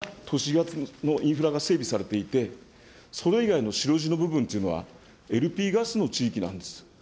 これ、赤色と青色が都市ガスのインフラが整備されていて、それ以外の白地の部分というのは、ＬＰガスの地域なんです。